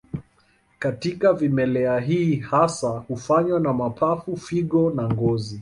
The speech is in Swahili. Katika vimelea hii hasa hufanywa na mapafu, figo na ngozi.